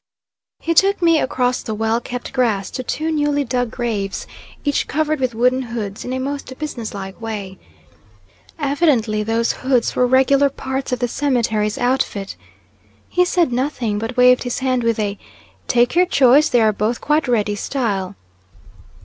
He took me across the well kept grass to two newly dug graves, each covered with wooden hoods in a most business like way. Evidently those hoods were regular parts of the cemetery's outfit. He said nothing, but waved his hand with a "take your choice, they are both quite ready" style.